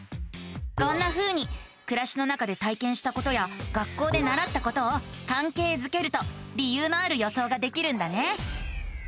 こんなふうにくらしの中で体験したことや学校でならったことをかんけいづけると理由のある予想ができるんだね。